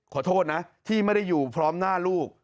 ขอโทษนะที่ไม่ได้อยู่พร้อมหน้าลูก